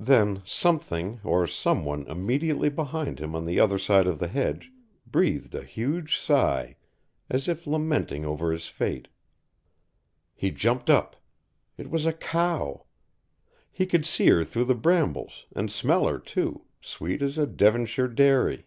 Then something or someone immediately behind him on the other side of the hedge breathed a huge sigh, as if lamenting over his fate. He jumped up. It was a cow. He could see her through the brambles and smell her too, sweet as a Devonshire dairy.